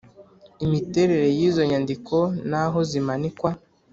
Imiterere y’izo nyandiko n’aho zimanikwa